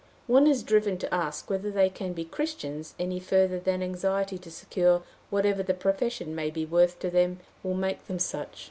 One is driven to ask whether they can be Christians any further than anxiety to secure whatever the profession may be worth to them will make them such."